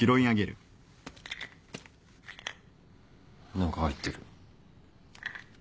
何か入ってる